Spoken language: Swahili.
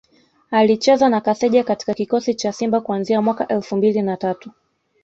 Alicheza na Kaseja katika kikosi cha Simba kuanzia mwaka elfu mbili na tatu